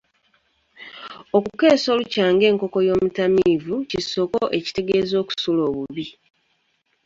Okukeesa olukya ng'ekoko y'omutamiivu kisoko ekitegeeza okusula obubi.